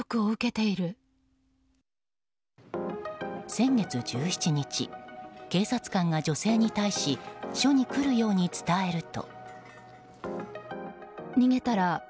先月１７日警察官が女性に対し署に来るように伝えると。